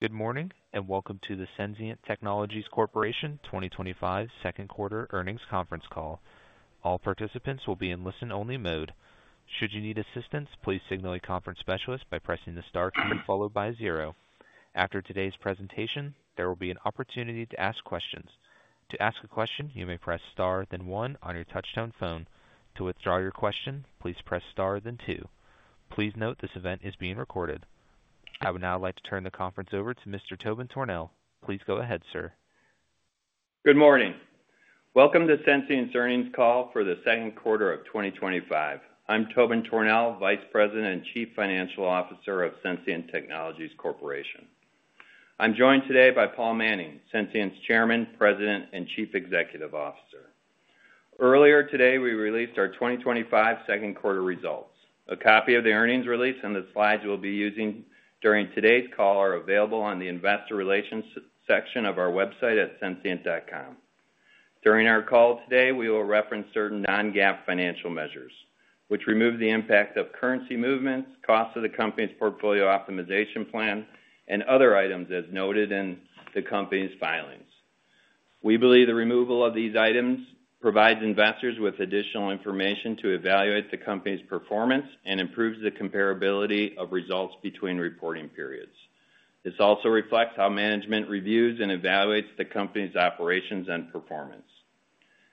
Good morning, and welcome to the SenSient Technologies twenty twenty five Second Quarter Earnings Conference Call. All participants will be in listen only mode. After today's presentation, there will be an opportunity to ask questions. Please note this event is being recorded. I would now like to turn the conference over to Mr. Tobin Tornell. Please go ahead, sir. Good morning. Welcome to Sensient's earnings call for the second quarter of twenty twenty five. I'm Tobin Tornell, Vice President and Chief Financial Officer of Sensient Technologies Corporation. I'm joined today by Paul Manning, Sensient's Chairman, President and Chief Executive Officer. Earlier today, we released our twenty twenty five second quarter results. A copy of the earnings release and the slides we'll be using during today's call are available on the Investor Relations section of our website at sensient.com. During our call today, we will reference certain non GAAP financial measures, which remove the impact of currency movements, cost of the company's portfolio optimization plan and other items as noted in the company's filings. We believe the removal of these items provides investors with additional information to evaluate the company's performance and improves the comparability of results between reporting periods. This also reflects how management reviews and evaluates the company's operations and performance.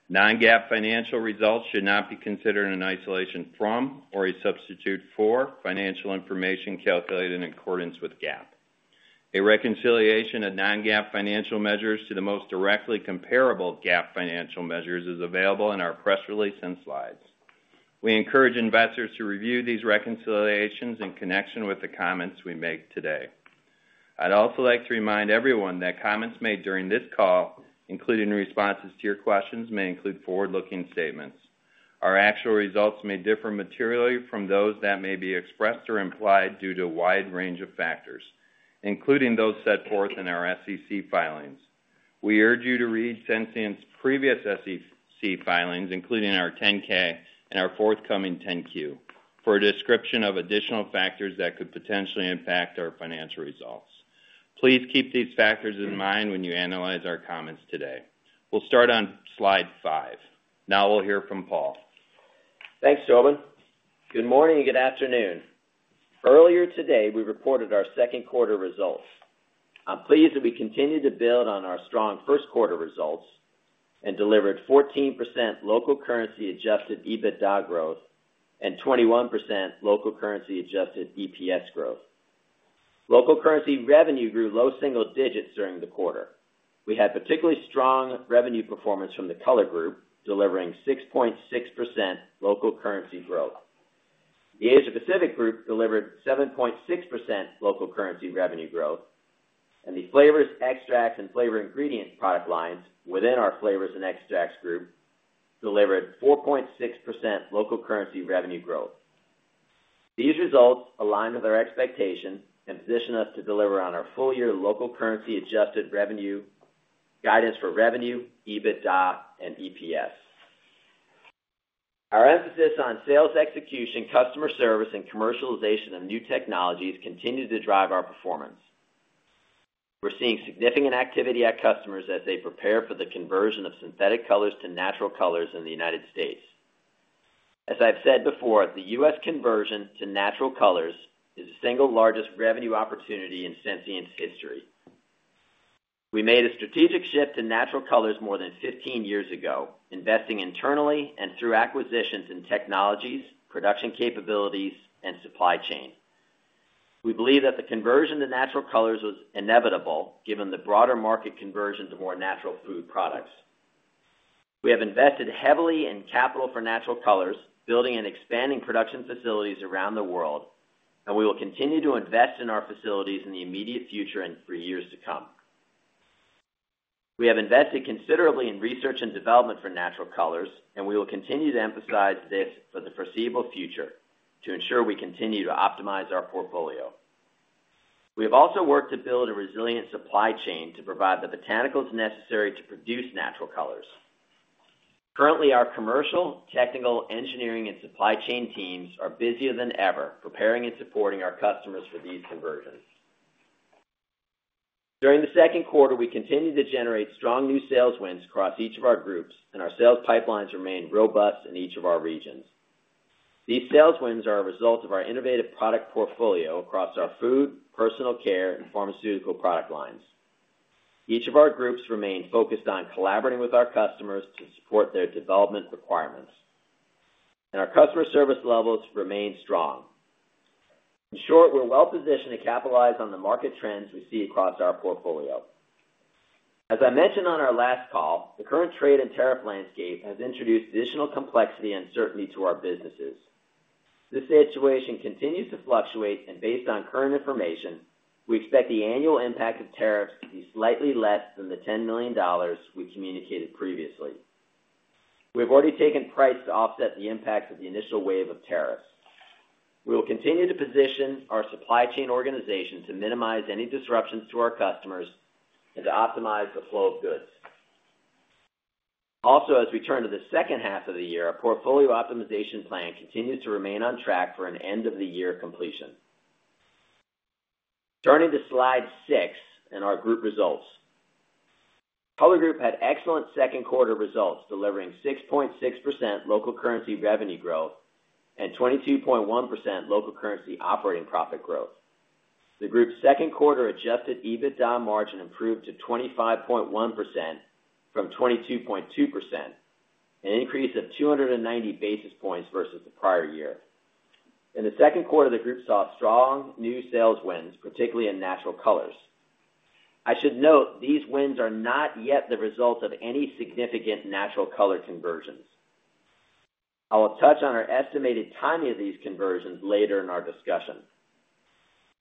Non GAAP financial results should not be considered in isolation from or a substitute for financial information calculated in accordance with GAAP. A reconciliation of non GAAP financial measures to the most directly comparable GAAP financial measures is available in our press release and slides. We encourage investors to review these reconciliations in connection with the comments we make today. I'd also like to remind everyone that comments made during this call, including responses to your questions, may include forward looking statements. Our actual results may differ materially from those that may be expressed or implied due to a wide range of factors, including those set forth in our SEC filings. We urge you to read Sensient's previous SEC filings, including our 10 ks and our forthcoming 10 Q for a description of additional factors that could potentially impact our financial results. Please keep these factors in mind when you analyze our comments today. We'll start on Slide five. Now we'll hear from Paul. Thanks, Jovan. Good morning and good afternoon. Earlier today, we reported our second quarter results. I'm pleased that we continue to build on our strong first quarter results and delivered 14% local currency adjusted EBITDA growth and 21% local currency adjusted EPS growth. Local currency revenue grew low single digits during the quarter. We had particularly strong revenue performance from the Color Group delivering 6.6% local currency growth. The Asia Pacific Group delivered 7.6% local currency revenue growth and the Flavors, Extracts and Flavor Ingredients product lines within our Flavors and Extracts Group delivered 4.6% local currency revenue growth. These results align with our expectation and position us to deliver on our full year local currency adjusted revenue guidance for revenue, EBITDA and EPS. Our emphasis on sales execution, customer service and commercialization of new technologies continue to drive our performance. We're seeing significant activity at customers as they prepare for the conversion of synthetic colors to natural colors in The United States. As I've said before, The U. S. Conversion to natural colors is the single largest revenue opportunity in Sensei's history. We made a strategic shift in natural colors more than fifteen years ago, investing internally and through acquisitions in technologies, production capabilities and supply chain. We believe that the conversion to Natural Colors was inevitable given the broader market conversion to more natural food products. We have invested heavily in capital for Natural Colors, building and expanding production facilities around the world and we will continue to invest in our facilities in the immediate future and for years to come. We have invested considerably in research and development for Natural Colors and we will continue to emphasize this for the foreseeable future to ensure we continue to optimize our portfolio. We have also worked to build a resilient supply chain to provide the botanicals necessary to produce Natural Colors. Currently, our commercial, technical, engineering and supply chain teams are busier than ever preparing and supporting our customers for these conversions. During the second quarter, we continue to generate strong new sales wins across each of our groups and our sales pipelines remain robust in each of our regions. These sales wins are a result of our innovative product portfolio across our food, personal care and pharmaceutical product lines. Each of our groups remain focused on collaborating with our customers to support their development requirements. And our customer service levels remain strong. In short, we're well positioned to capitalize on the market trends we see across our portfolio. As I mentioned on our last call, the current trade and tariff landscape has introduced additional complexity and certainty to our businesses. This situation continues to fluctuate and based on current information, we expect the annual impact of tariffs to be slightly less than the $10,000,000 we communicated previously. We've already taken price to offset the impact of the initial wave of tariffs. We will continue to position our supply chain organization to minimize any disruptions to our customers and to optimize the flow of goods. Also as we turn to the second half of the year, our portfolio optimization plan continues to remain on track for an end of the year completion. Turning to Slide six and our group results. Color Group had excellent second quarter results delivering 6.6% local currency revenue growth and 22.1% local currency operating profit growth. The Group's second quarter adjusted EBITDA margin improved to 25.1% from 22.2%, an increase of two ninety basis points versus the prior year. In the second quarter, the group saw strong new sales wins, particularly in Natural Colors. I should note these wins are not yet the result of any significant Natural Color conversions. I will touch on our estimated timing of these conversions later in our discussion.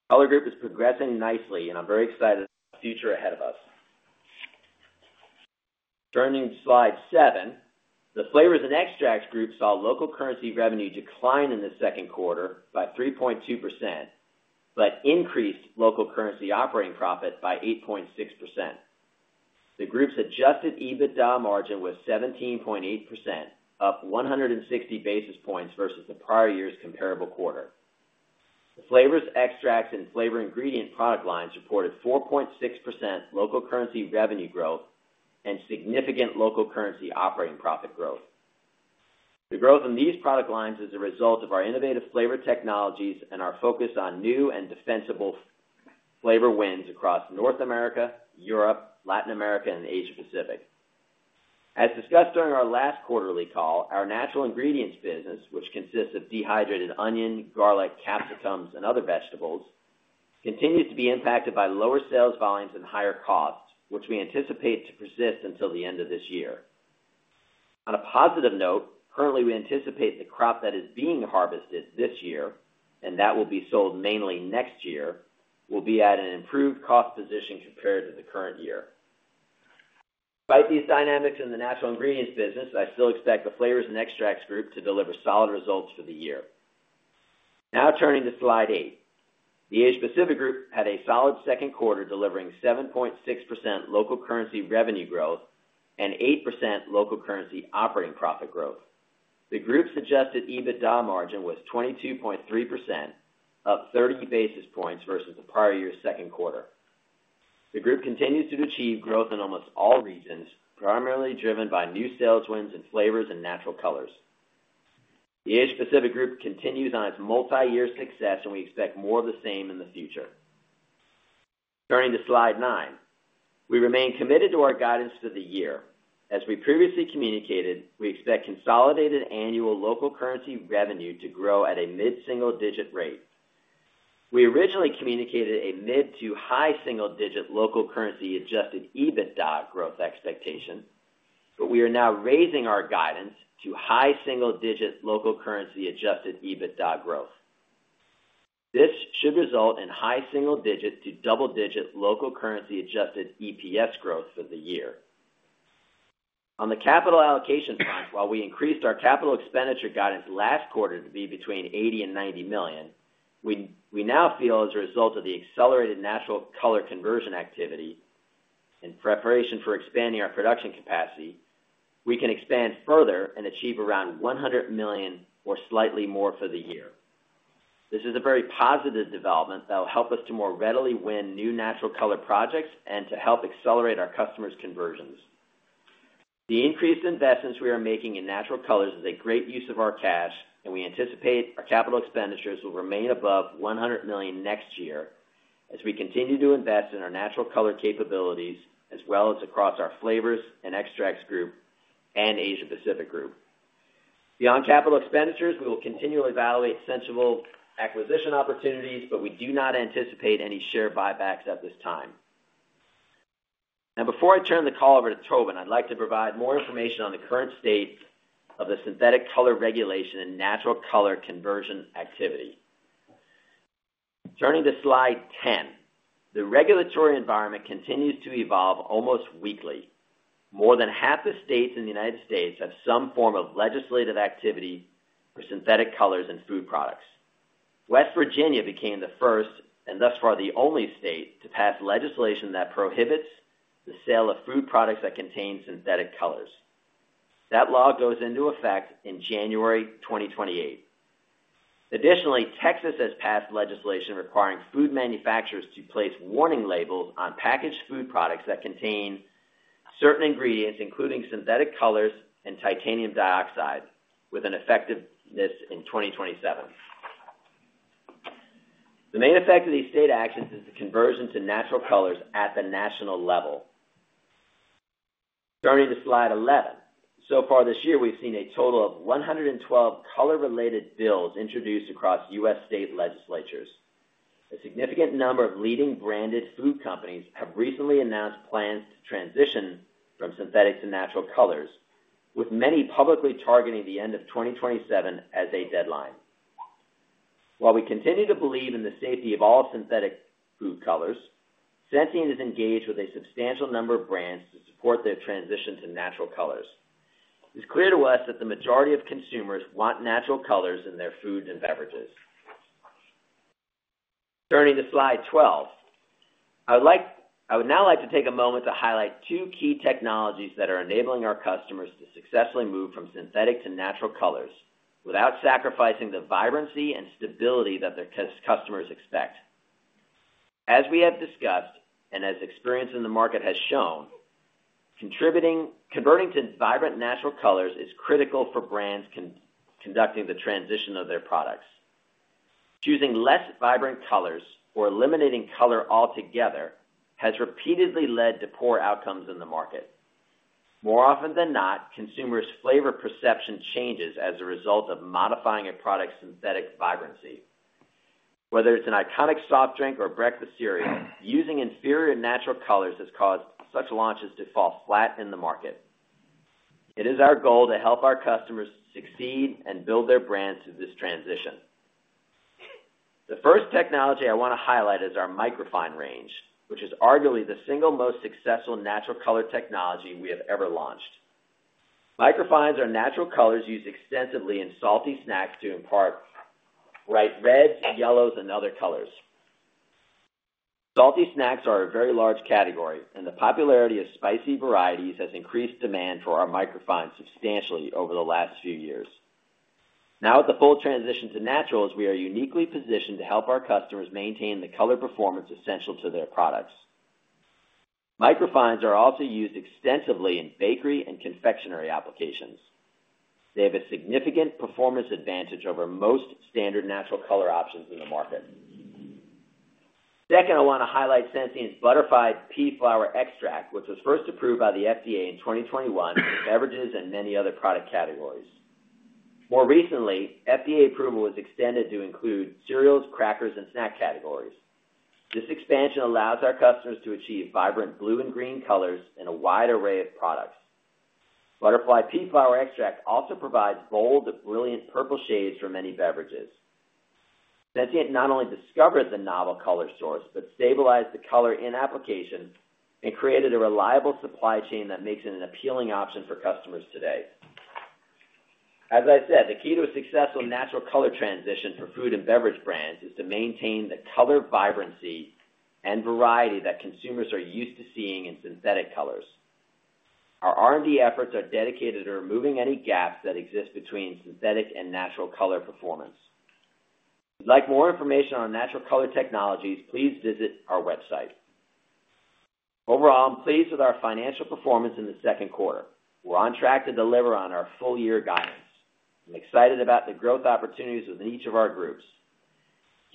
Color Group is progressing nicely and I'm very excited about the ahead of us. Turning to Slide seven, the Flavors and Extracts Group saw local currency revenue decline in the second quarter by 3.2%, but increased local currency operating profit by 8.6%. The Group's adjusted EBITDA margin was 17.8%, up 160 basis points versus the prior year's comparable quarter. Flavors, Extracts and Flavor Ingredient product lines reported 4.6% local currency revenue growth and significant local currency operating profit growth. The growth in these product lines is a result of our innovative flavor technologies and our focus on new and defensible flavor wins across North America, Europe, Latin America and Asia Pacific. As discussed during our last quarterly call, our Natural Ingredients business, which consists of dehydrated onion, garlic, capsicums and other vegetables, continues to be impacted by lower sales volumes and higher costs, which we anticipate to persist until the end of this year. On a positive note, currently we anticipate the crop that is being harvested this year and that will be sold mainly next year will be at an improved cost position compared to the current year. By these dynamics in the Natural Ingredients business, I still expect the Flavors and Extracts Group to deliver solid results for the year. Now turning to Slide eight. The Asia Pacific Group had a solid second quarter delivering 7.6% local currency revenue growth and 8% local currency operating profit growth. The Group's adjusted EBITDA margin was 22.3%, up 30 basis points versus the prior year second quarter. The group continues to achieve growth in almost all regions, primarily driven by new sales wins in flavors and natural colors. The Asia Pacific group continues on its multi year success and we expect more of the same in the future. Turning to Slide nine. We remain committed to our guidance for the year. As we previously communicated, we expect consolidated annual local currency revenue to grow at a mid single digit rate. We originally communicated a mid to high single digit local currency adjusted EBITDA growth expectation, but we are now raising our guidance to high single digit local currency adjusted EBITDA growth. This should result in high single digit to double digit local currency adjusted EPS growth for the year. On the capital allocation front, while we increased our capital expenditure guidance last quarter to be between 80,000,000 and 90,000,000 we now feel as a result of the accelerated natural color conversion activity in preparation for expanding our production capacity, we can expand further and achieve around $100,000,000 or slightly more for the year. This is a very positive development that will help us to more readily win new natural color projects and to help accelerate our customers' conversions. The increased investments we are making in natural colors is a great use of our cash and we anticipate our capital expenditures will remain above $100,000,000 next year as we continue to invest in our Natural Color capabilities as well as across our Flavors and Extracts Group and Asia Pacific Group. Beyond capital expenditures, we will continually evaluate SensiML acquisition opportunities, but we do not anticipate any share buybacks at this time. And before I turn the call over to Tobin, I'd like to provide more information on the current state of the synthetic color regulation and natural color conversion activity. Turning to Slide 10. The regulatory environment continues to evolve almost weekly. More than half the states in The United States have some form of legislative activity for synthetic colors and food products. West Virginia became the first and thus far the only state to pass legislation that prohibits the sale of food products that contain synthetic colors. That law goes into effect in January 2028. Additionally, Texas has passed legislation requiring food manufacturers to place warning labels on packaged food products that contain certain ingredients including synthetic colors and titanium dioxide with an effectiveness in 2027. The main effect of these state actions is the conversion to natural colors at the national level. Turning to Slide 11. So far this year, we've seen a total of 112 color related bills introduced across U. S. State legislatures. A significant number of leading branded food companies have recently announced plans to transition from synthetic to natural colors with many publicly targeting the 2027 as a deadline. While we continue to believe in the safety of all synthetic food colors, Sensient is engaged with a substantial number of brands to support their transition to natural colors. It's clear to us that the majority of consumers want natural colors in their food and beverages. Turning to Slide 12, I would now like to take a moment to highlight two key technologies that are enabling our customers to successfully move from synthetic to natural colors without sacrificing the vibrancy and stability that their customers expect. As we have discussed and as experience in the market has shown, converting to vibrant natural colors is critical for brands conducting the transition of their products. Choosing less vibrant colors or eliminating color altogether has repeatedly led to poor outcomes in the market. More often than not, consumers flavor perception changes as a result of modifying a product's synthetic vibrancy. Whether it's an iconic soft drink or breakfast cereal, using inferior natural colors has caused such launches to fall flat in the market. It is our goal to help our customers succeed and build their brands through this transition. The first technology I want to highlight is our Microfine range, which is arguably the single most successful natural color technology we have ever launched. Microfines are natural colors used extensively in salty snacks to impart bright reds, yellows and other colors. Salty snacks are a very large category and the popularity of spicy varieties has increased demand for our Microfines substantially over the last few years. Now with the full transition to Naturals, we are uniquely positioned to help our customers maintain the color performance essential to their products. Microfines are also used extensively in bakery and confectionery applications. They have a significant performance advantage over most standard natural color options in the market. Second, I want to highlight Sensient's butterfied pea flower extract, which was first approved by the FDA in 2021 beverages and many other product categories. More recently, FDA approval was extended to include cereals, crackers and snack categories. This expansion allows our customers to achieve vibrant blue and green colors in a wide array of products. Butterfly pea flower extract also provides bold, brilliant purple shades for many beverages. Sensient not only discovered the novel color source, but stabilized the color in application and created a reliable supply chain that makes it an appealing option for customers today. As I said, the key to a successful natural color transition for food and beverage brands is to maintain the color vibrancy and variety that consumers are used to seeing in synthetic colors. Our R and D efforts are dedicated to removing any gaps that exist between synthetic and natural color performance. If you'd like more information on natural color technologies, please visit our website. Overall, I'm pleased with our financial performance in the second quarter. We're on track to deliver on our full year guidance. I'm excited about the growth opportunities within each of our groups.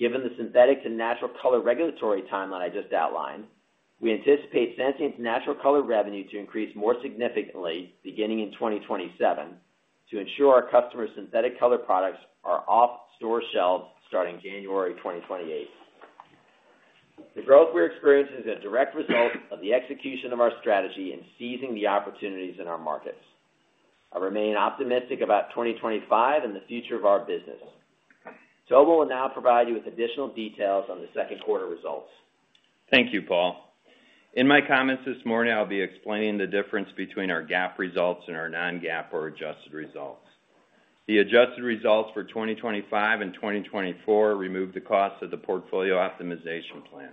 Given the synthetic and natural color regulatory timeline I just outlined, we anticipate Sansient's natural color revenue to increase more significantly beginning in 2027 to ensure our customers synthetic color products are off store shelves starting January 2028. The growth we experienced is a direct result of the execution of our strategy and seizing the opportunities in our markets. I remain optimistic about 2025 and the future of our business. Sobel will now provide you with additional details on the second quarter results. Thank you, Paul. In my comments this morning, I'll be explaining the difference between our GAAP results and our non GAAP or adjusted results. The adjusted results for 2025 and 2024 removed the cost of the portfolio optimization plan.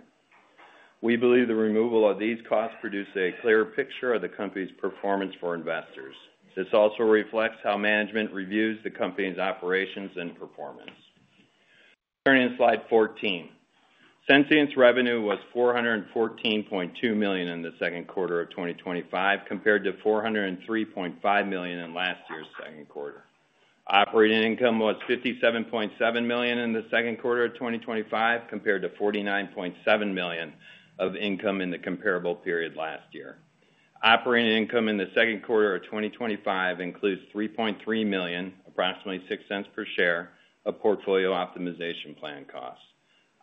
We believe the removal of these costs produce a clear picture investors. This also reflects how management reviews the company's operations and performance. Turning to Slide 14. Sensient's revenue was $414,200,000 in the 2025 compared to $403,500,000 in last year's second quarter. Operating income was $57,700,000 in the 2025 compared to $49,700,000 of income in the comparable period last year. Operating income in the 2025 includes $3,300,000 approximately $06 per share of portfolio optimization plan costs.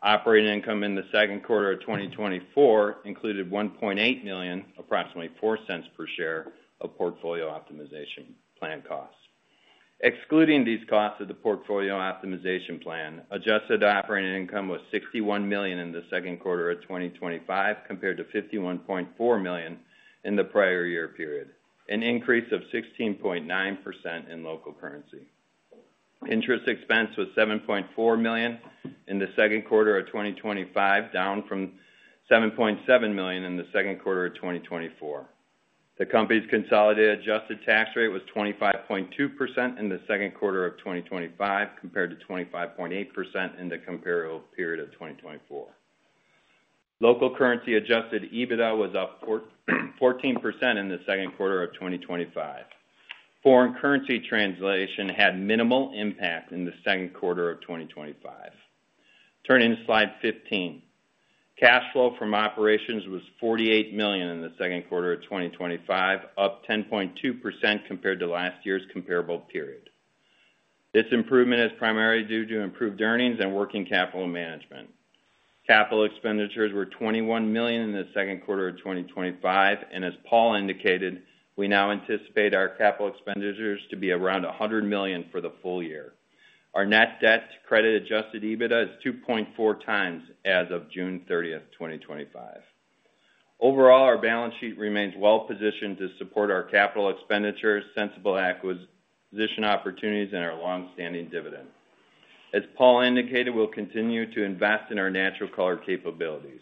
Operating income in the 2024 included $1,800,000 approximately $04 per share of portfolio optimization plan costs. Excluding these costs of the portfolio optimization plan, adjusted operating income was $61,000,000 in the 2025 compared $51,400,000 in the prior year period, an increase of 16.9% in local currency. Interest expense was $7,400,000 in the second quarter of twenty twenty five, down from $7,700,000 in the second quarter of twenty twenty four. The company's consolidated adjusted tax rate was 25.2% in the 2025 compared to 25.8% in the comparable period of 2024. Local currency adjusted EBITDA was up 14% in the second quarter of twenty twenty five. Foreign currency translation had minimal impact in the second quarter of twenty twenty five. Turning to Slide 15. Cash flow from operations was $48,000,000 in the second quarter of twenty twenty five, up 10.2% compared to last year's comparable period. This improvement is primarily due to improved earnings management. Capital expenditures were $21,000,000 in the second quarter of twenty twenty five. And as Paul indicated, we now anticipate our capital expenditures to be around $100,000,000 for the full year. Our net debt to credit adjusted EBITDA is 2.4x as of 06/30/2025. Overall, our balance sheet remains well positioned to support our capital expenditures, sensible acquisition opportunities and our long standing dividend. As Paul indicated, we'll continue to invest in our natural color capabilities.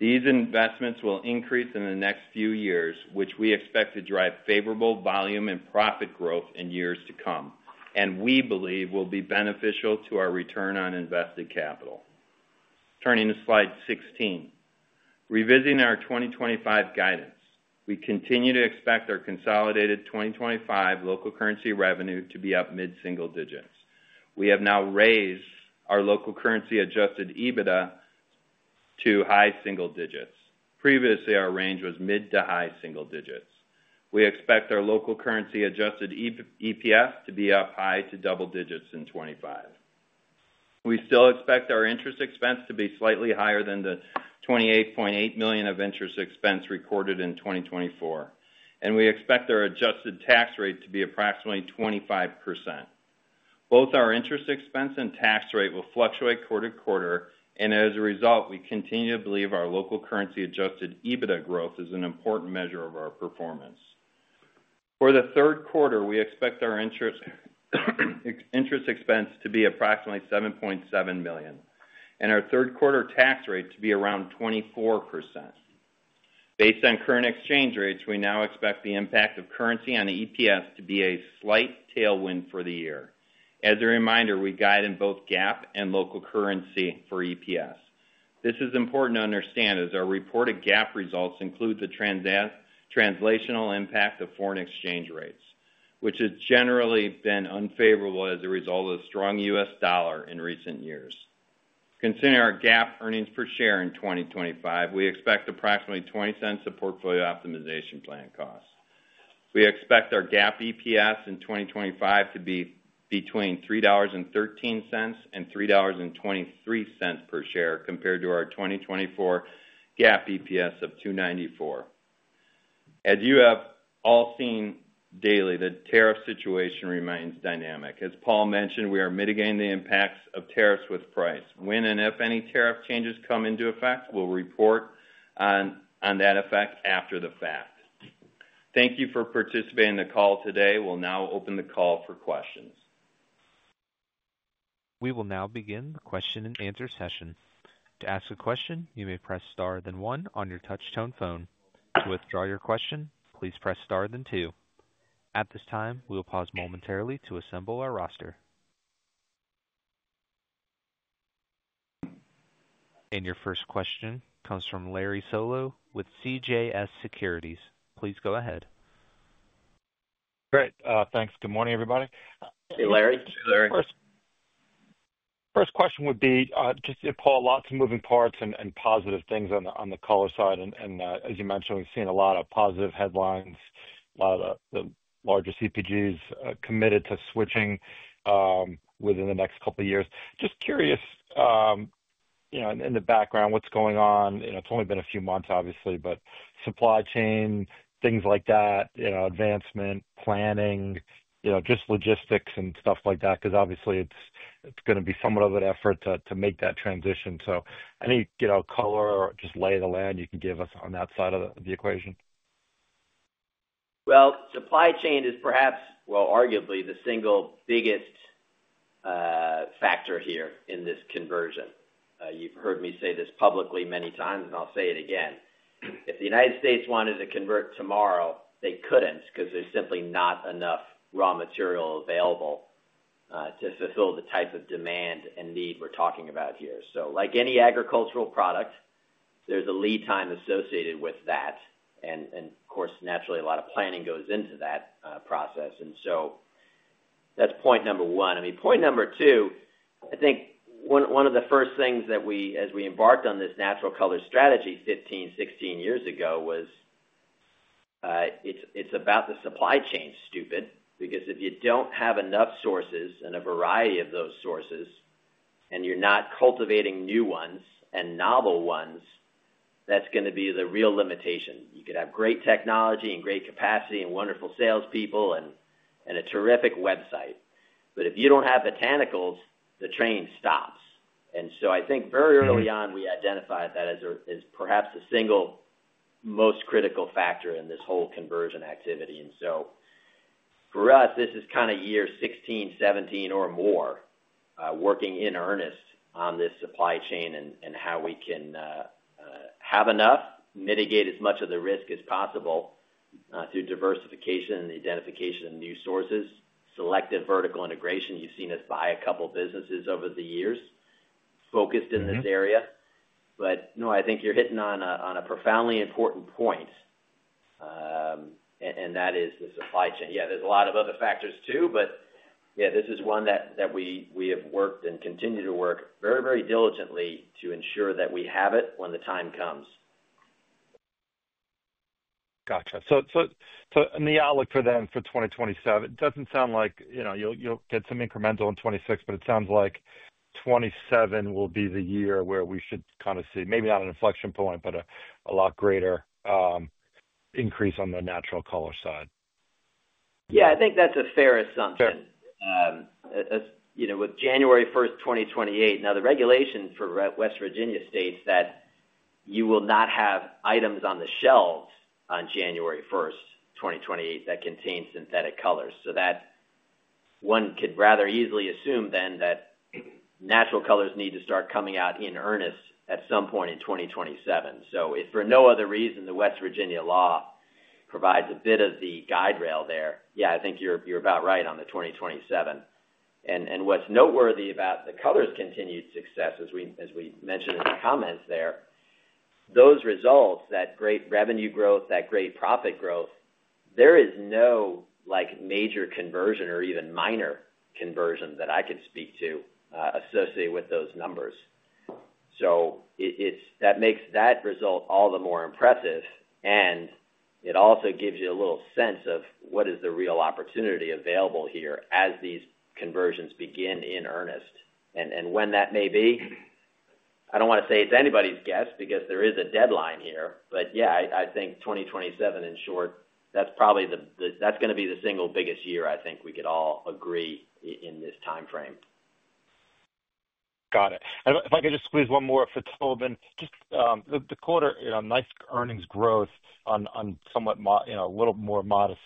These investments will increase in the next few years, which we expect to drive favorable volume and profit growth in years to come and we believe will be beneficial to our return on invested capital. Turning to Slide 16. Revisiting our 2025 guidance. We continue to expect our consolidated 2025 local currency revenue to be up mid single digits. We have now raised our local currency adjusted EBITDA to high single digits. Previously, range was mid to high single digits. We expect our local currency adjusted EPS to be up high to double digits in 2025. We still expect our interest expense to be slightly higher than the $28,800,000 of interest expense recorded in 2024 and we expect our adjusted tax rate to be approximately 25%. Both our interest expense and tax rate will fluctuate quarter to quarter and as a result, we continue to believe our local currency adjusted EBITDA growth is an important measure of our performance. For the third quarter, we expect our interest expense to be approximately $7,700,000 and our third quarter tax rate to be around 24%. Based on current exchange rates, we now expect the impact of currency on EPS to be a slight tailwind for the year. As a reminder, we guide in both GAAP and local currency for EPS. This is important to understand as our reported GAAP results include the translational impact of foreign exchange rates, which has generally been unfavorable as a result of strong U. S. Dollar in recent years. Considering our GAAP earnings per share in 2025, we expect approximately $0.20 of portfolio optimization plan costs. We expect our GAAP EPS in 2025 to be between $3.13 and $3.23 per share compared to our 2024 GAAP EPS of $2.94 As you have all seen daily, the tariff situation remains dynamic. As Paul mentioned, we are mitigating the impacts of tariffs with price. When and if any tariff changes come into effect, we'll report on that effect after the fact. Thank you for participating in the call today. We'll now open the call for questions. We will now begin the question and answer session. And your first question comes from Larry Solow with CJS Securities. Please go ahead. Great. Thanks. Good morning, everybody. Hey, Larry. First question would be, just Paul, lots of moving parts and positive things on the Color side. And as you mentioned, we've seen a lot of positive headlines, a lot of largest CPGs committed to switching within the next couple of years. Just curious in the background, what's going on? It's only been a few months, obviously, but supply chain, things like that, advancement, planning, just logistics and stuff like that because, obviously, it's going to be somewhat of an effort to make that transition. Any color or just lay of the land you can give us on that side of the equation? Well, supply chain is perhaps, well, arguably the single biggest factor here in this conversion. You've heard me say this publicly many times and I'll say it again. If The United States wanted to convert tomorrow, they couldn't because there's simply not enough raw material available to fulfill the type of demand and need we're talking about here. So like any agricultural product, there's a lead time associated with that. And of course, naturally a lot of planning goes into that process. And so that's point number one. Mean point number two, I think one of the first things that we as we embarked on this natural color strategy fifteen, sixteen years ago was, it's about the supply chain stupid, because if you don't have enough sources and a variety of those sources and you're not cultivating new ones and novel ones, that's going to be the real limitation. You could have great technology and great capacity and wonderful salespeople and a terrific website. But if you don't have botanicals, the train stops. And so I think very early on we identified that as perhaps the single most critical factor in this whole conversion activity. And so for us, this is kind of year 2016, '17 or more working in earnest on this supply chain and how we can have enough, mitigate as much of the risk as possible through diversification, the identification of new sources, selective vertical integration. You've seen us buy a couple of businesses over the years focused in this area. No, I think you're hitting on a profoundly important point and that is the supply chain. Yes, there's a lot of other factors too. But yes, this is one that we have worked and continue to work very, very diligently to ensure that we have it when the time comes. Got you. So and the outlook for them for 2027, it doesn't sound like you'll get some incremental in 2026, but it sounds like 2027 will be the year where we should kind of see maybe not an inflection point, but a lot greater increase on the natural color side? Yes, think that's a fair assumption. With 01/01/2028, now the regulation for West Virginia states that you will not have items on the shelves on 01/01/2028 that contains synthetic colors. That one could rather easily assume then that natural colors need to start coming out in earnest at some point in 2027. So if for no other reason the West Virginia law provides a bit of the guide rail there, yes, think you're about right on the 2027. And what's noteworthy about the Color's continued success as we mentioned in the comments there, those results, that great revenue growth, that great profit growth, there is no like major conversion or even minor conversion that I can speak to associated with those numbers. So it's that makes that result all the more impressive and it also gives you a little sense of what is the real opportunity available here as these conversions begin in earnest. And when that may be, I don't want to say it's anybody's guess because there is a deadline here. But yes, I think 2027 in short, that's probably the that's going to be the single biggest year I think we could all agree in this timeframe. Got it. And if I could just squeeze one more for Tobin. Just the quarter nice earnings growth on somewhat a little more modest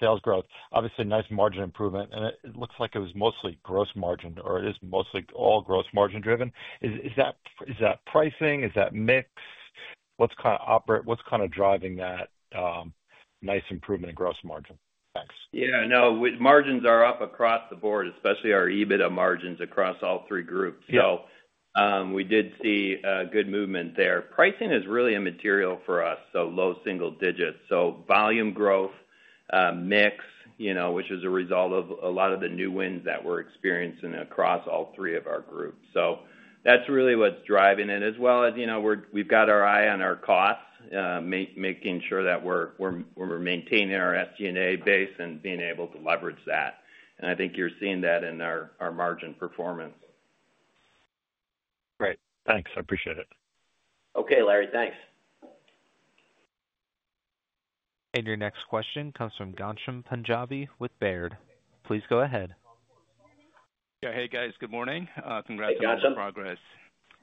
sales growth. Obviously, nice margin improvement and it looks like it was mostly gross margin or it is mostly all gross margin driven. Is that pricing? Is that mix? What's kind of driving that nice improvement in gross margin? Thanks. Yes. No, margins are up across the board, especially our EBITDA margins across all three groups. So we did see good movement there. Pricing is really immaterial for us, so low single digits. So volume growth mix, which is a result of a lot of the new wins that we're experiencing across all three of our groups. So that's really what's driving it as well as we've got our eye on our costs, making sure that we're maintaining our SG and A base and being able to leverage that. And I think you're seeing that in our margin performance. Great. Thanks. I appreciate it. Okay, Larry. Thanks. And your next question comes from Ghansham Panjabi with Baird. Please go ahead. Hey guys, good morning. Congrats Good on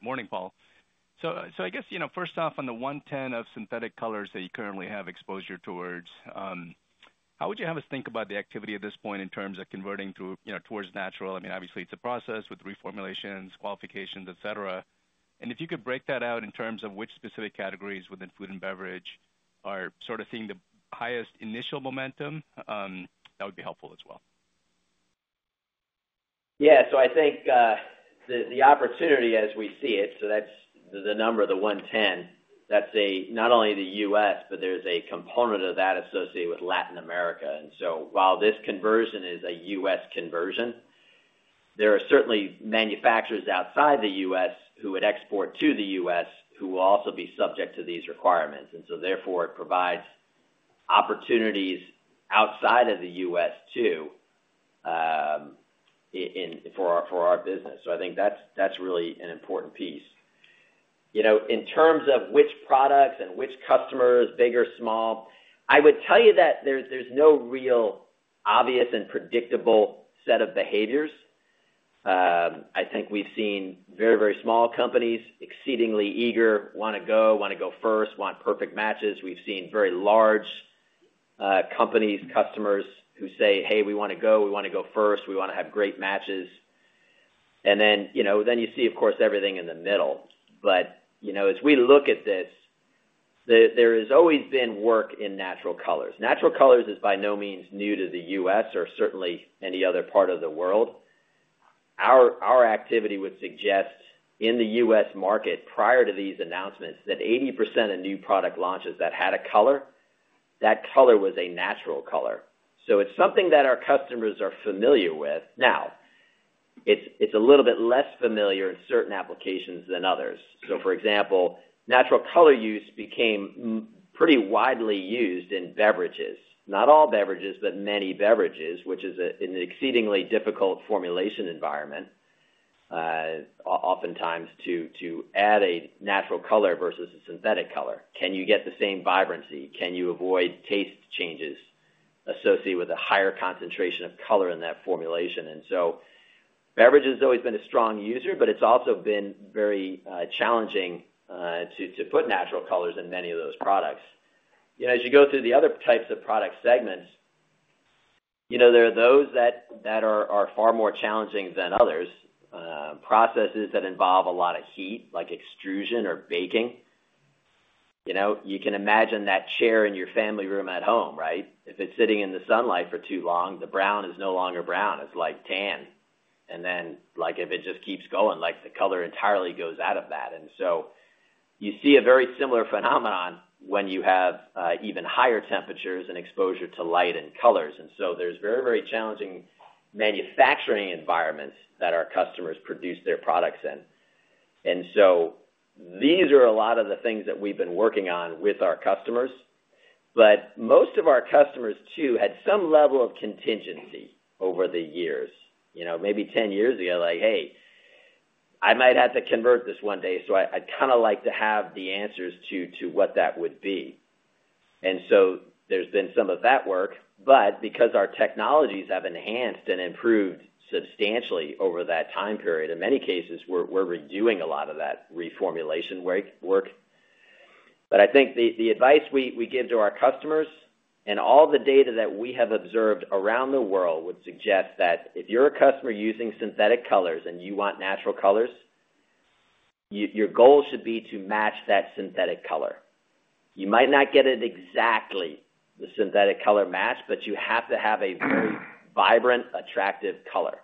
morning, the Paul. So I guess, first off on the 110 of synthetic colors that you currently have exposure towards, how would you have us think about the activity at this point in terms of converting towards natural? I mean, obviously, it's a process with reformulations, qualifications, etcetera. And if you could break that out in terms of which specific categories within food and beverage are sort of seeing the highest initial momentum that would be helpful as well. Yes. So I think the opportunity as we see it, so that's the number of the 110, that's a not only The U. S, but there's a component of that associated with Latin America. And so while this conversion is a U. S. Conversion, there are certainly manufacturers outside The U. S. Who would export to The U. S. Who will also be subject to these requirements. And so therefore it provides opportunities outside of The U. S. Too for our business. So I think that's really an important piece. In terms of which products and which customers big or small, I would tell you that there's no real obvious and predictable set of behaviors. I think we've seen very, very small companies exceedingly eager want to go, want to go first, want perfect matches. We've seen very large companies, customers who say, hey, we want to go, we want to go first, we want to have great matches. And then you see of course everything in the middle. But as we look at this, there has always been work in natural colors. Natural colors is by no means new to The U. S. Or certainly any other part of the world. Our activity would suggest in The U. S. Market prior to these announcements that 80% of new product launches that had a color, that color was a natural color. So it's something that our customers are familiar with. Now it's a little bit less familiar in certain applications than others. So for example, natural color use became pretty widely used in beverages, not all beverages, but many beverages, which is an exceedingly difficult formulation environment oftentimes to add a natural color versus synthetic color. Can you get the same vibrancy? Can you avoid taste changes associated with a higher concentration of color in that formulation? And so beverages always been a strong user, but it's also been very challenging to put natural colors in many of those products. As you go through the other types of product segments, there are those that are far more challenging than others, processes that involve a lot of heat like extrusion or baking. You can imagine that chair in your family room at home, right? If it's sitting in the sunlight for too long, the brown is no longer brown, it's like tan. And then like if it just keeps going, like the color entirely goes out of that. And so you see a very similar phenomenon when you have even higher temperatures and exposure to light and colors. And so there's very, very challenging manufacturing environments that our customers produce their products in. And so these are a lot of the things that we've been working on with our customers. But most of our customers too had some level of contingency over the years. Maybe ten years ago, like, I might have to convert this one day. So I kind of like to have the answers to what that would be. And so there's been some of that work, but because our technologies have enhanced and improved substantially over that time period, in many cases, we're redoing a lot of that reformulation work. But I think the advice we give to our customers and all the data that we have observed around the world would suggest that if you're a customer using synthetic colors and you want natural colors, your goal should be to match that synthetic color. You might not get it exactly the synthetic color match, but you have to have a very vibrant attractive color.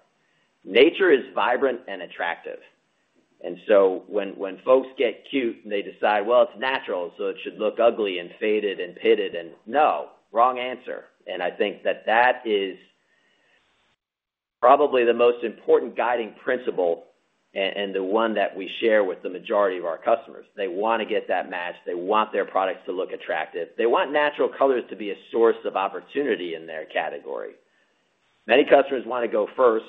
Nature is vibrant and attractive. And so when folks get cute and they decide, it's natural, so it should look ugly and faded and pitted and no, wrong answer. And I think that that is probably the most important guiding principle and the one that we share with the majority of our customers. They want to get that match. They want their products to look attractive. They want natural colors to be a source of opportunity in their category. Many customers want to go first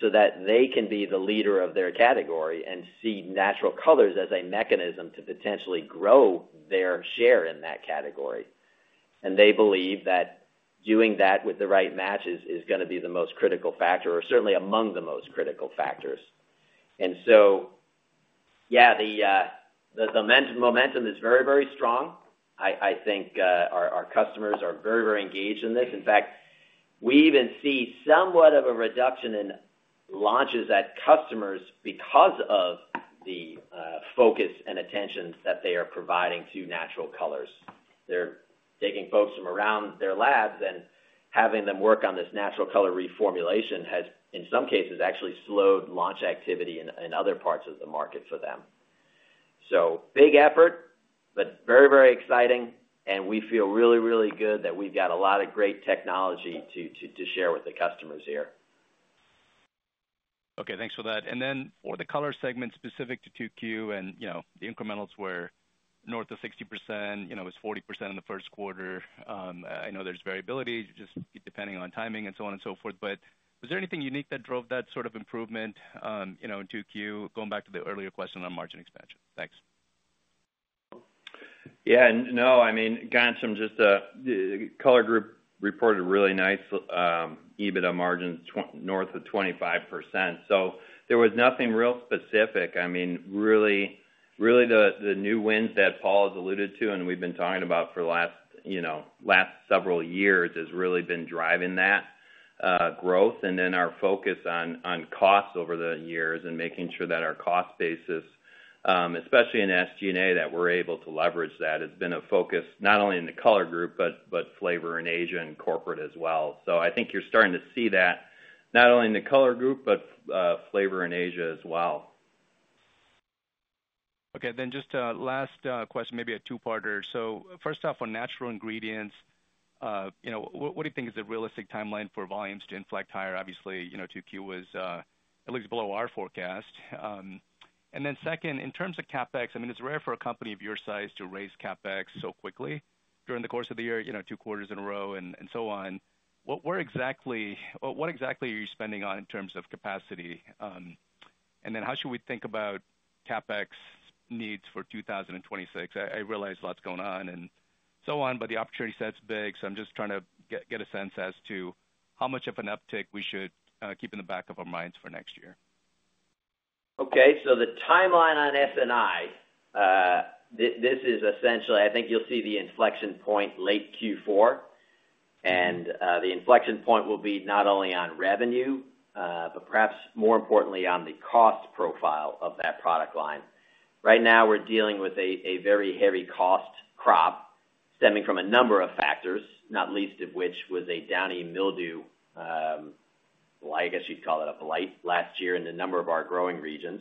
so that they can be the leader of their category and see natural colors as a mechanism to potentially grow their share in that category. And they believe that doing that with the right matches is going to be the most critical factor or certainly among the most critical factors. And so, yes, the momentum is very, very strong. I think our customers are very, very engaged in this. In fact, we even see somewhat of a reduction in launches at customers because of the focus and attentions that they are providing to Natural Colors. They're taking folks from around their labs and having them work on this Natural Color reformulation has, in some cases, actually slowed launch activity in other parts of the market for them. So big effort, but very, very exciting and we feel really, really good that we've got a lot of great technology to share with the customers here. Okay. Thanks for that. And then for the Color segment specific to 2Q and incrementals were north of 60%, it was 40% in the first quarter. I know there's variability just depending on timing and so on and so forth. But was there anything unique that drove that sort of improvement in 2Q going back to the earlier question on margin expansion? Thanks. Yes. No, I mean Ghansham, just Color Group reported really nice EBITDA margins north of 25%. So there was nothing real specific. I mean, really the new wins that Paul has alluded to and we've been talking about for the last several years has really been driving that growth. And then our focus on costs over the years and making sure that our cost basis, especially in SG and A that we're able to leverage that has been a focus not only in the Color Group, but flavor in Asia and corporate as well. So I think you're starting to see that not only in the Color Group, but flavor in Asia as well. Okay. Then just last question, maybe a two parter. So first off on Natural Ingredients, what do think is the realistic timeline for volumes to inflect higher? Obviously, 2Q was at least below our forecast. And then second, in terms of CapEx, I mean, it's rare for a company of your size to raise CapEx so quickly during the course of the year, two quarters in a row and so on. What exactly are you spending on in terms of capacity? And then how should we think about CapEx needs for 2026? I realize lots going on and so on, but the opportunity set is big. So I'm just trying to get a sense as to how much of an uptick we should keep in the back of our minds for next year. Okay. So the timeline on S and I, this is essentially I think you'll see the inflection point late Q4. And the inflection point will be not only on revenue, but perhaps more importantly on the cost profile of that product line. Right now, we're dealing with a very heavy cost crop stemming from a number of factors, not least of which was a downy mildew, I guess you'd call it a blight last year in a number of our growing regions.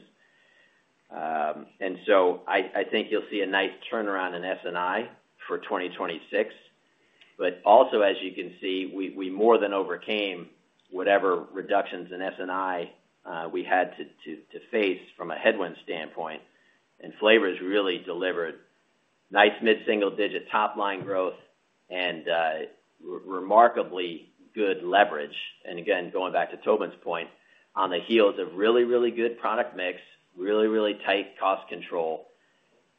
And so I think you'll see a nice turnaround in S and I for 2026. But also as you can see, we more than overcame whatever reductions in S and I we had to face from a headwind standpoint. And Flavors really delivered nice mid single digit top line growth and remarkably good leverage. And again, going back to Tobin's point, on the heels of really, really good product mix, really, really tight cost control.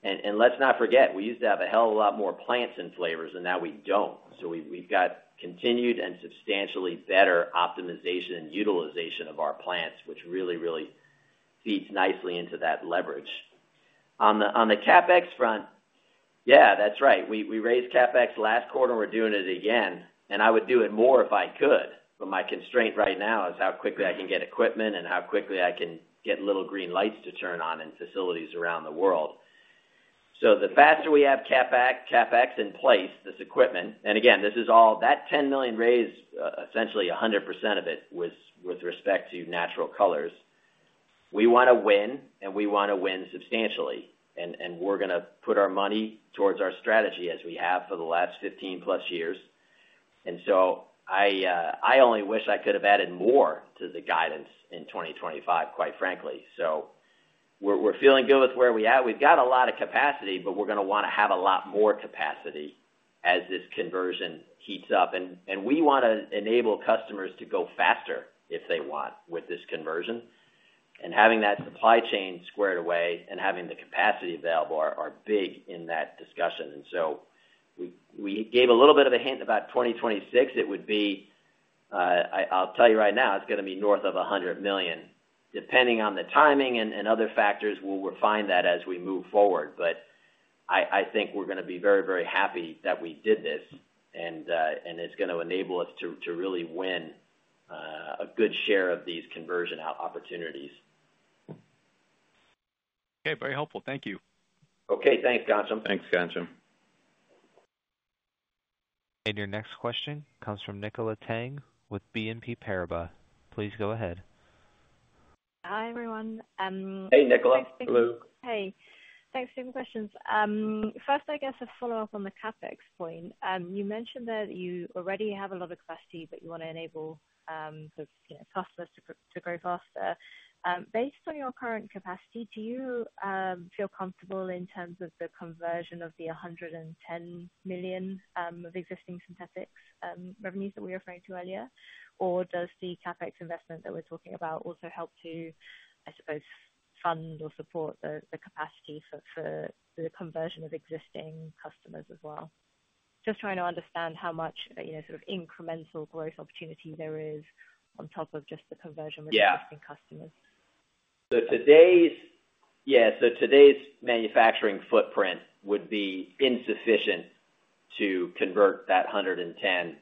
And let's not forget, we used to have a hell of lot more plants and flavors and now we don't. So we've got continued and substantially better optimization and utilization of our plants, which really, really feeds nicely into that leverage. On CapEx front, yes, that's right. We raised CapEx last quarter and we're doing it again. And I would do it more if I could. But my constraint right now is how quickly I can get equipment and how quickly I can get little green lights to turn on in facilities around the world. So the faster we have CapEx in place, this equipment and again, this is all that $10,000,000 raise essentially 100% of it was with respect to natural colors. We want to win and we want to win substantially and we're going to put our money towards our strategy as we have for the last fifteen plus years. And so I only wish I could have added more to the guidance in 2025 quite frankly. So we're feeling good with where we are. We've got a lot of capacity, but we're going to want to have a lot more capacity as this conversion heats up. We want to enable customers to go faster if they want with this conversion. And having that supply chain squared away and having the capacity available are big in that discussion. And so we gave a little bit of a hint about 2026. It would be I'll tell you right now, it's going to be north of $100,000,000 Depending on the timing and other factors, we'll refine that as we move forward. But I think we're going to be very, very happy that we did this and it's going to enable us to really win a good share of these conversion opportunities. Okay. Very helpful. Thank you. Okay. Thanks Ghansham. Thanks Ghansham. And your next question comes from Nikola Tang with BNP Paribas. Please go ahead. Hi, everyone. Hi, Nicola. Thanks for taking the questions. First, guess a follow-up on the CapEx point. You mentioned that you already have a lot of capacity, but you want to enable the customers to grow faster. Based on your current capacity, do you feel comfortable in terms of the conversion of the €110,000,000 of existing synthetics revenues that we're referring to earlier? Or does the CapEx investment that we're talking about also help to, I suppose, fund or support the capacity for the conversion of existing customers as well? Just trying to understand how much sort of incremental growth opportunity there is on top of just the conversion of existing customers? Yes. So today's manufacturing footprint would be insufficient to convert that 110.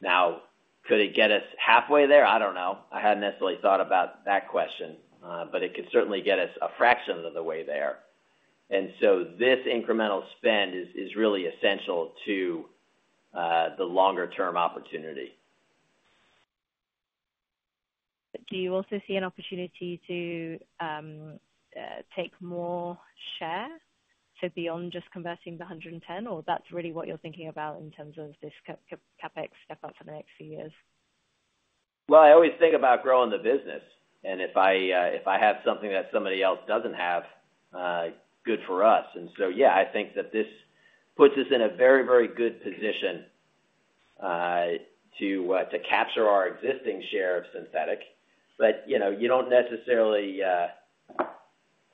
Now could it get us halfway there? I don't know. I hadn't necessarily thought about that question, but it could certainly get us a fraction of the way there. And so this incremental spend is really essential to the longer term opportunity. Do you also see an opportunity to take more share, so beyond just converting the 110,000,000 or that's really what you're thinking about in terms of this CapEx step up for the next few years? Well, I always think about growing the business. And if I have something that somebody else doesn't have, good for us. And so yes, I think that this puts us in a very, very good position to capture our existing share of synthetic. But you don't necessarily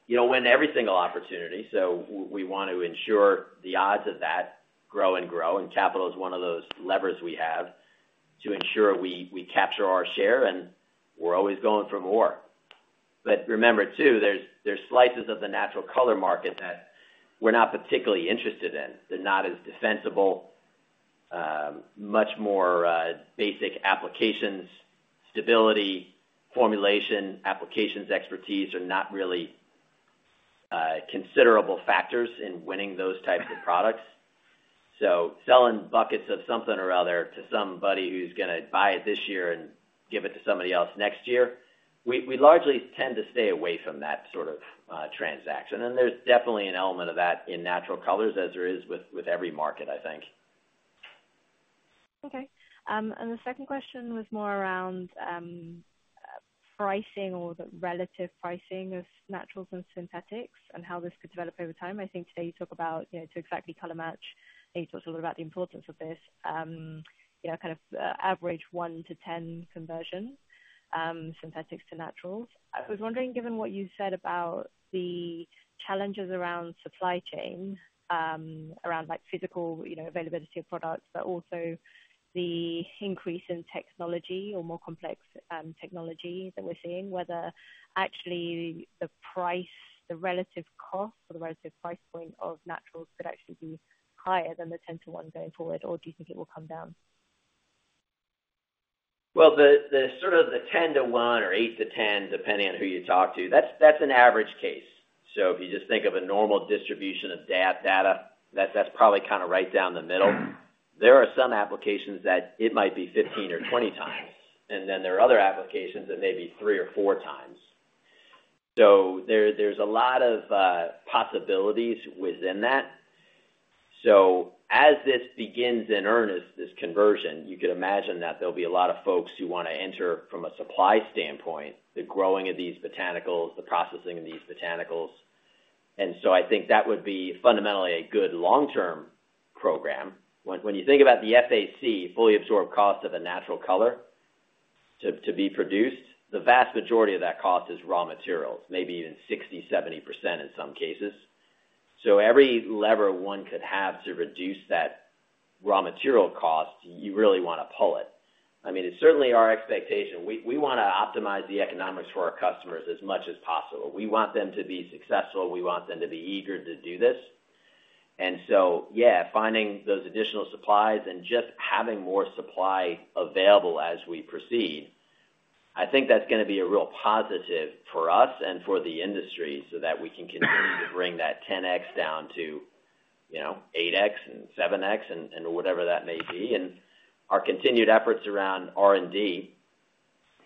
win every single opportunity. So we want to ensure the odds of that grow and grow and capital is one of those levers we have to ensure we capture our share and we're always going for more. But remember too, there's slices of the natural color market that we're not particularly interested in. They're not as defensible, much more basic applications, stability, formulation, applications expertise are not really considerable factors in winning those types of products. So selling buckets of something or other to somebody who's going to buy it this year and give it to somebody else next year, we largely tend to stay away from that sort of transaction. And there's definitely an element of that in natural colors as there is with every market I think. Okay. And the second question was more around pricing or the relative pricing of naturals and synthetics and how this could develop over time. I think today you talk about to exactly color match, you talked a little about the importance of this kind of average one to 10 conversion, synthetics to naturals. I was wondering given what you said about the challenges around supply chain, around like physical availability of products, but also the increase in technology or more complex technology that we're seeing, whether actually the price, the relative cost or the relative price point of naturals could actually be higher than the ten:one going forward? Or do you think it will come down? Well, sort of the ten:one or eight to 10 depending on who you talk to, that's an average case. If you just think of a normal distribution of data, that's probably kind of right down the middle. There are some applications that it might be 15 or 20 times and then there are other applications that may be three or four times. So there's a lot of possibilities within that. So as this begins in earnest, this conversion, you could imagine that there'll be a lot of folks who want to enter from the growing of these botanicals, the processing of these botanicals. And so I think that would be fundamentally a good long term program. When you think about the FAC fully absorbed cost of a natural color to be produced, the vast majority of that cost is raw materials, maybe even 60%, 70% in some cases. So every lever one could have to reduce that raw material cost, you really want to pull it. I mean, it's certainly our expectation. We want to optimize the economics for our customers as much as possible. We want them to be successful. We want them to be eager to do this. And so, yes, those additional supplies and just having more supply available as we proceed, I think that's going to be a real positive for us and for the industry so that we can continue to bring that 10x down to 8x and 7x and whatever that may be. And our continued efforts around R and D,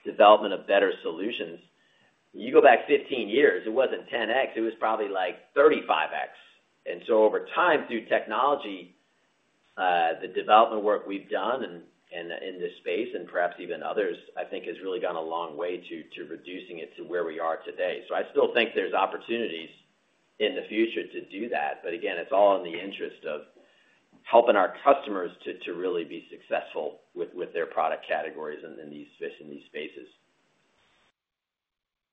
development of better solutions, you go back fifteen years, it wasn't 10x, was probably like 35x. And so over time through technology, the development work we've done in this space and perhaps even others, I think has really gone a long way to reducing it to where we are today. So I still think there's opportunities in the future to do that. But again, it's all in the interest of helping our customers to really be successful with their product categories in these fish and these spaces.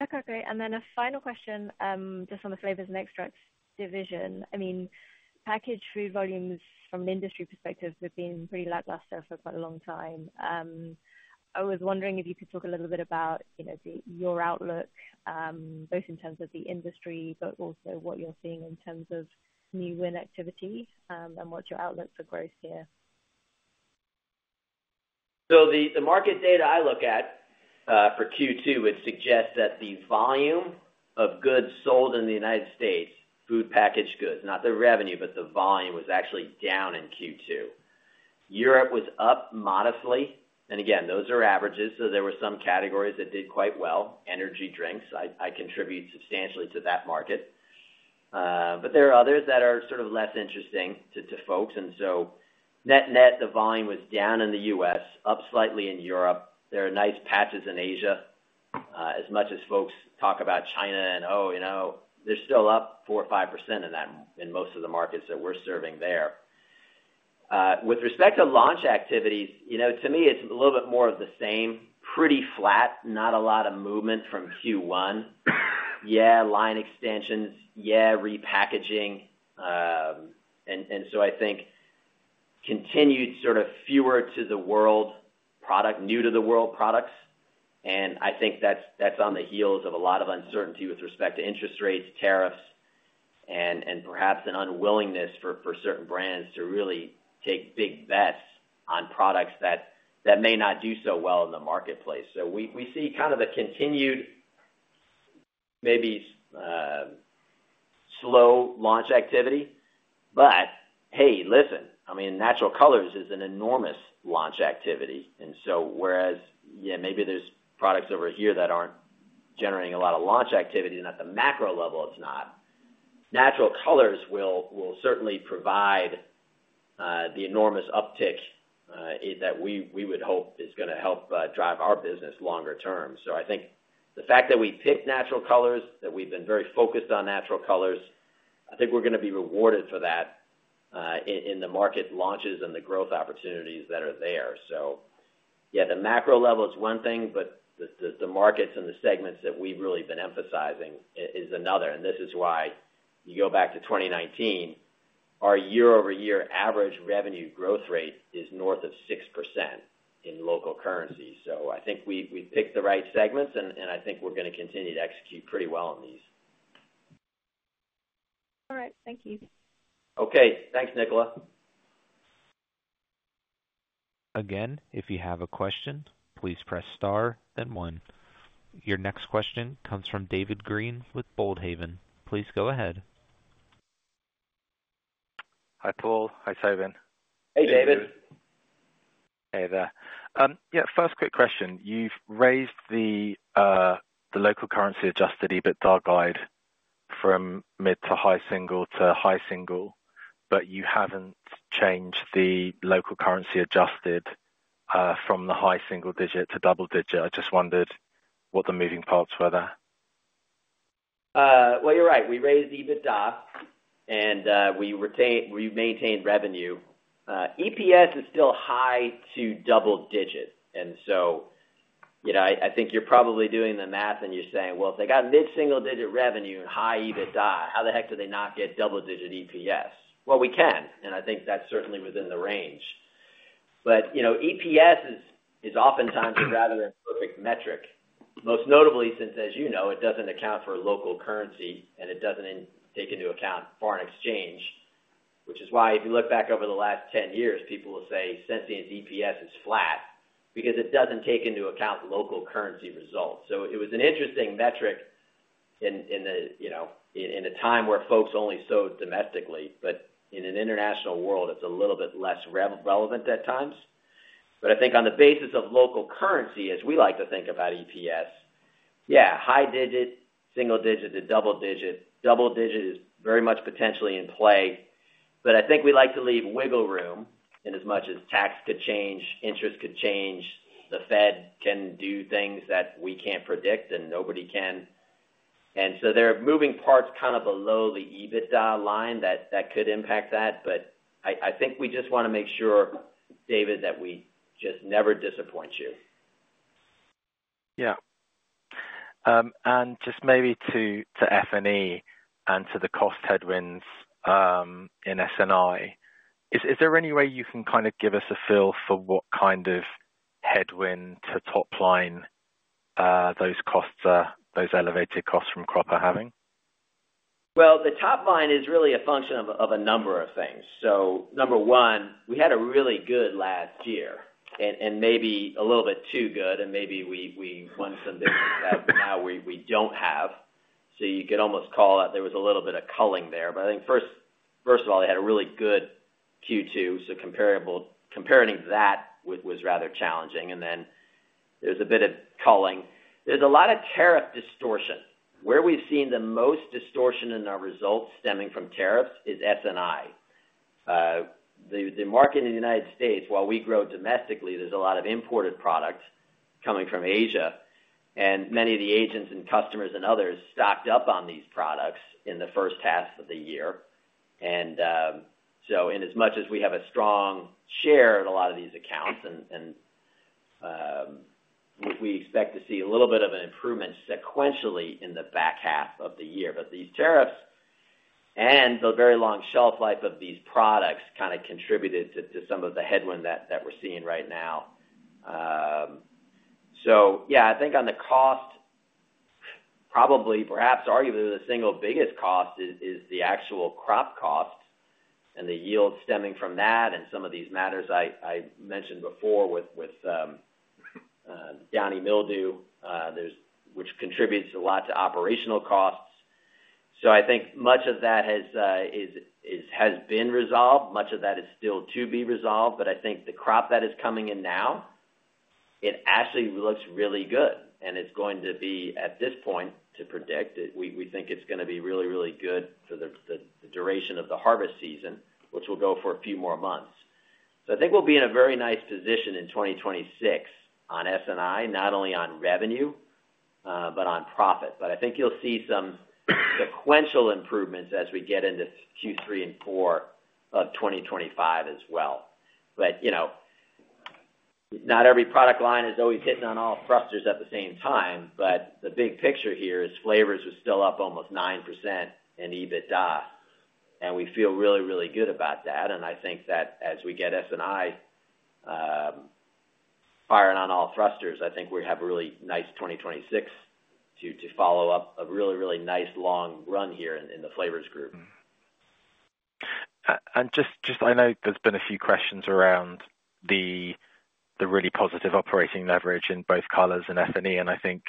Okay. Great. And then a final question just on the Flavors and Extracts division. I mean, packaged food volumes from an industry perspective have been pretty lackluster for quite a long time. I was wondering if you could talk a little bit about your outlook, both in terms of the industry, but also what you're seeing in terms of new win activity and what's your outlook for growth here? So the market data I look at for Q2 would suggest that the volume of goods sold in The United States, food packaged goods, the revenue but the volume was actually down in Q2. Europe was up modestly and again those are averages. So there were some categories that did quite well. Energy drinks, contribute substantially to that market. But there are others that are sort of less interesting to folks. And so net net, the volume was down in The U. S, up slightly in Europe. There are nice patches in Asia. As much as folks talk about China and they're still up 4% or 5% in that in most of the markets that we're serving there. With respect to launch activities, to me it's a little bit more of the same, pretty flat, not a lot of movement from Q1. Yes, line extensions, yes, repackaging. And so I think continued sort of fewer to the world product new to the world products. And I think that's on the heels of a lot of uncertainty with respect to interest rates, tariffs and perhaps an unwillingness for certain brands to really take big bets on products that may not do so well in the marketplace. So we see kind of a continued maybe slow launch activity. But hey, listen, I mean Natural Colors is an enormous launch activity. And so whereas maybe there's products over here that aren't generating a lot of launch activity and at the macro level it's not. Natural Colors will certainly provide the enormous uptick that we would hope is going to help drive our business longer term. So I think the fact that we picked Natural Colors, that we've been very focused on Natural Colors, I think we're going to be rewarded for that in the market launches and the growth opportunities that are there. So yes, the macro level is one thing, but the markets and the segments that we've really been emphasizing is another. And this is why you go back to 2019, our year over year average revenue growth rate is north of 6% in local currency. So I think we picked the right segments and I think we're going to continue to execute pretty well on these. All right. Thank you. Okay. Thanks, Nikola. Your next question comes from David Green with Boldhaven. Please go ahead. Hi, Paul. Hi, Soven. Hey, David. Hey, there. Yes, first quick question. You've raised the local currency adjusted EBITDA guide from mid to high single to high single, but you haven't changed the local currency adjusted from the high single digit to double digit. I just wondered what the moving parts were there? Well, you're right. We raised EBITDA and we retained we've maintained revenue. EPS is still high to double digit. And so I think you're probably doing the math and you're saying, if they got mid single digit revenue high EBITDA, how the heck do they not get double digit EPS? Well, we can and I think that's certainly within the range. But EPS is oftentimes rather than perfect metric, most notably since as you know, it doesn't account for local currency and it doesn't take into account foreign exchange, which is why if you look back over the last ten years, people will say Sensient's EPS is flat because it doesn't take into account local currency results. So it was an interesting metric in a time where folks only sold domestically, but in an international world, it's a little bit less relevant at times. But I think on the basis of local currency, as we like to think about EPS, yes, high digit, single digit to double digit, double digit is very much potentially in play. But I think we like to leave wiggle room and as much as tax could change, interest could change, the Fed can do things that we can't predict and nobody can. And so there are moving parts kind of below the EBITDA line that could impact that. But I think we just want to make sure, David, that we just never disappoint you. Yes. And just maybe to F and E and to the cost headwinds in S and I. Is there any way you can kind of give us a feel for what kind of headwind to top line those costs those elevated costs from crop are having? Well, the top line is really a function of a number of things. So number one, we had a really good last year and maybe a little bit too good and maybe we won some business that we don't have. So you could almost call it there was a little bit of culling there. But I think first of all, we had a really good Q2, so comparing that was rather challenging and then there's a bit of calling. There's a lot of tariff distortion. Where we've seen the most distortion in our results stemming from tariffs is S and I. The market in The United States, while we grow domestically, there's a lot of imported products coming from Asia. And many of the agents and customers and others stocked up on these products in the first half of the year. And so in as much as we have a strong share in a lot of these accounts and we expect to see a little bit of an improvement sequentially in the back half of the year. But these tariffs and the very long shelf life of these products kind of contributed to some of the headwind that we're seeing right now. So, yes, think on the cost, probably perhaps arguably the single biggest cost is the actual crop cost and the yield stemming from that and some of these matters I mentioned before with Downy Mildew, which contributes a lot to operational costs. So I think much of that has been resolved, much of that is still to be resolved. But I think the crop that is coming in now, it actually looks really good and it's going to be at this point to predict it. We think it's going to be really, really good for the duration of the harvest season, which will go for a few more months. So I think we'll be in a very nice position in 2026 on S and I, not only on revenue, but on profit. But I think you'll see some sequential improvements as we get into Q3 and 2025 as well. But not every product line is always hitting on all thrusters at the same time, but the big picture here is flavors are still up almost 9% in EBITDA and we feel really, really good about that. And I think that as we get S and I firing on all thrusters, think we have a really nice 2026 to follow-up a really, really nice long run here in the Flavors Group. And just I know there's been a few questions around the really positive operating leverage in both Colors and F and E. And I think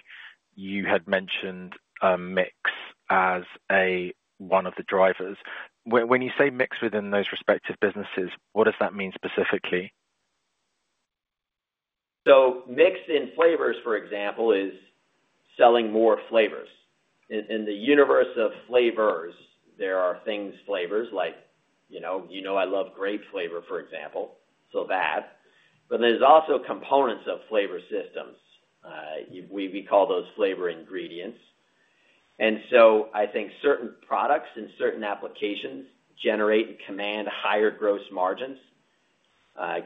you had mentioned mix as a one of the drivers. When you say mix within those respective businesses, what does that mean specifically? So mix in flavors for example is selling more flavors. In the universe of flavors, there are things flavors like, you know I love grape flavor, for example, so that. But there's also components of flavor systems. We call those flavor ingredients. And so I think certain products and certain applications generate and command higher gross margins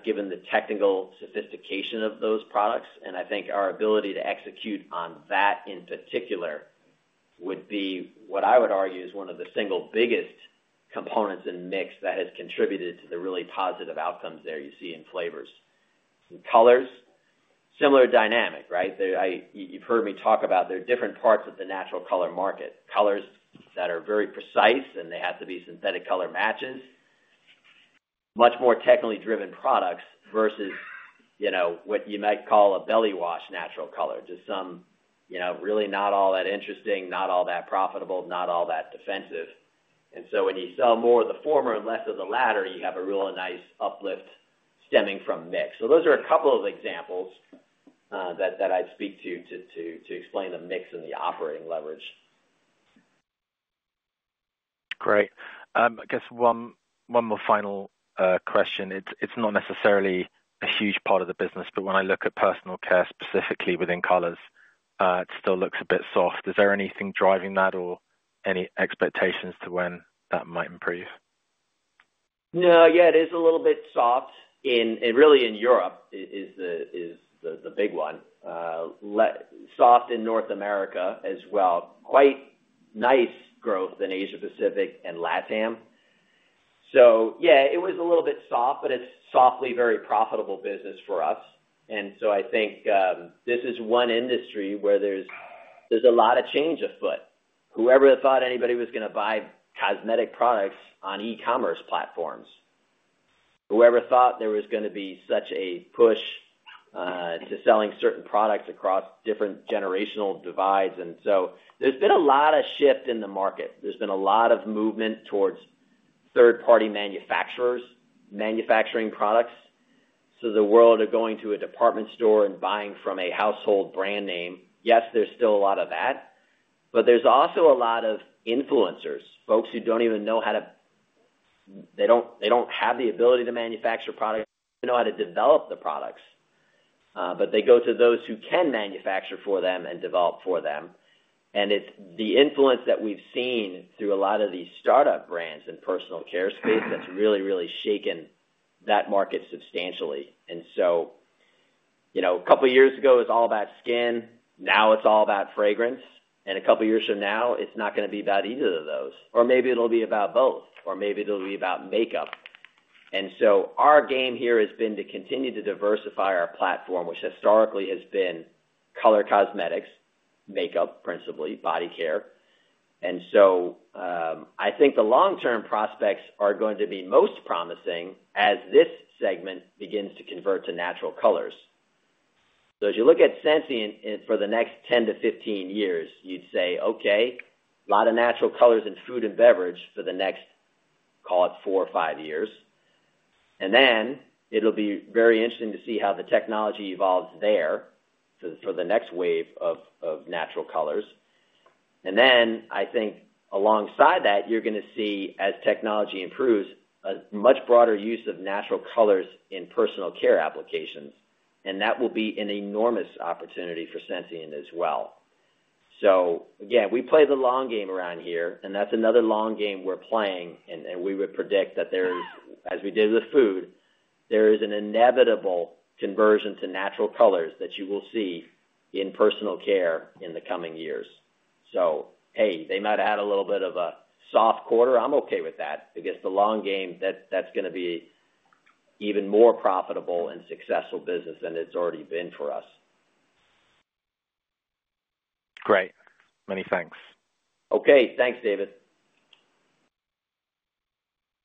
given the technical sophistication of those products. And I think our ability to execute on that in particular would be what I would argue is one of the single biggest components in mix that has contributed to the really positive outcomes there you see in flavors. In colors, similar dynamic, right? You've heard me talk about there are different parts of the natural color market. Colors that are very precise and they have to be synthetic color matches, much more technically driven products versus what you might call a belly wash natural color, just some really not all that interesting, not all that profitable, not all defensive. And so when you sell more of the former and less of the latter, you have a real nice uplift stemming from mix. So those are a couple of examples that I'd speak to, to explain the mix and the operating leverage. Great. I guess one more final question. It's not necessarily a huge part of the business, but when I look at Personal Care specifically within Colors, it still looks a bit soft. Is there anything driving that or any expectations to when that might improve? No. Yes, it is a little bit soft. Really in Europe is the big one. Soft in North America as well. Quite nice growth in Asia Pacific and LatAm. So yes, it was a little bit soft, but it's softly very profitable business for us. And so I think this is one industry where there's a lot of change afoot. Whoever thought anybody was going to buy cosmetic products on e commerce platforms, whoever thought there was going to be such a push to selling certain products across different generational divides. And so there's been a lot of shift in the market. There's been a lot of movement towards third party manufacturers, manufacturing products. So the world are going to a department store and buying from a household brand name. Yes, there's still a lot of that. But there's also a lot of influencers, folks who don't even know how to they don't have the ability to manufacture product, know how to develop the products. But they go to those who can manufacture for them and develop for them. And it's the influence that we've seen through a lot of these startup brands and personal care space that's really, really shaken that market substantially. And so a couple of years ago, it's all about skin. Now it's all about fragrance. And a couple of years from now, it's not going to be about either of those or maybe it will be about both or maybe it will be about makeup. And so our game here has been to continue to diversify our platform, which historically has been color cosmetics, makeup principally body care. And so, I think the long term prospects are going to be most promising as this segment begins to convert to natural colors. So as you look at Sensing for the next ten to fifteen years, you'd say, okay, lot of natural colors in food and beverage for the next, call it four or five years. And then it will be very interesting to see how the technology evolves there for the next wave of natural colors. And then I think alongside that, you're going to see as technology improves, a much broader use of natural colors in personal care applications and that will be an enormous opportunity for Sensient as well. So again, we play the long game around here and that's another long game we're playing and we would predict that there is as we did with food, there is an inevitable conversion to natural colors that you will see in Personal Care in the coming years. So, hey, they might add a little bit of a soft quarter, I'm okay with that, because the long game that's going to be even more profitable and successful business than it's already been for us. Great. Many thanks. Okay. Thanks, David.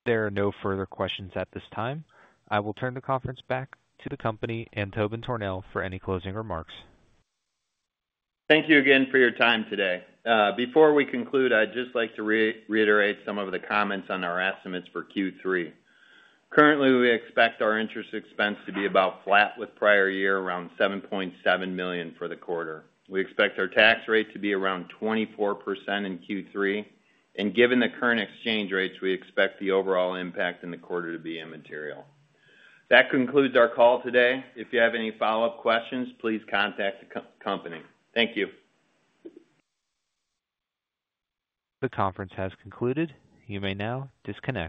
There are no further questions at this time. I will turn the conference back to the company, Antoine Tornell, for any closing remarks. Thank you again for your time today. Before we conclude, I'd just like to reiterate some of the comments on our estimates for Q3. Currently, expect our interest expense to be about flat with prior year around $7,700,000 for the quarter. We expect our tax rate to be around 24% in Q3. And given the current exchange rates, expect the overall impact in the quarter to be immaterial. That concludes our call today. If you have any follow-up questions, please contact the company. Thank you. The conference has concluded. You may now disconnect.